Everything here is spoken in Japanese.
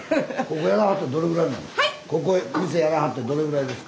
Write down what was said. ここやらはってどれぐらいなんですか？